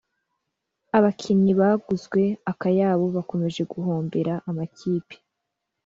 abakinnyi baguzwe akayabo bakomeje guhombera amakipe